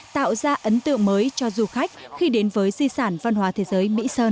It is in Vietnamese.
tạo ra ấn tượng mới cho du khách khi đến với di sản văn hóa thế giới mỹ sơn